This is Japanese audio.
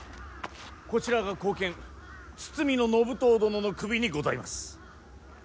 こちらが後見堤信遠殿の首にございます。